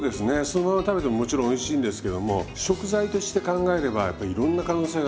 そのまま食べてももちろんおいしいんですけども食材として考えればやっぱりいろんな可能性があるんで。